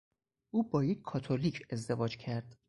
او با یک کاتولیک ازدواج کرد.